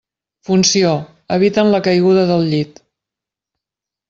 Funció: eviten la caiguda del llit.